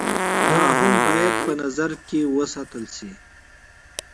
دا هم بايد په نظر کښې وساتلے شي